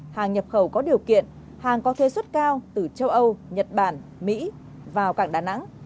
hàng nhập khẩu có điều kiện hàng có thuê xuất cao từ châu âu nhật bản mỹ vào cảng đà nẵng